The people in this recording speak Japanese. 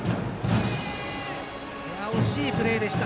惜しいプレーでした。